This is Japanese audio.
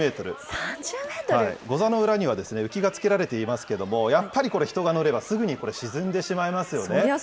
ゴザの裏には浮きがつけられていますけれども、やっぱりこれ、人が乗ればすぐにこれ、沈んでしまいますよね。